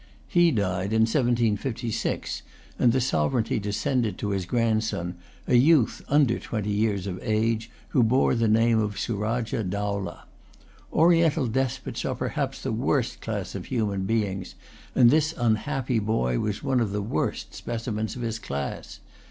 He died in 1756, and the sovereignty descended to his grandson, a youth under twenty years of age, who bore the name of Surajah Dowlah. Oriental despots are perhaps the worst class of human beings; and this unhappy boy was one of the worst specimens of his class.